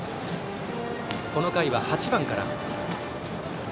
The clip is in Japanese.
この回は８番から。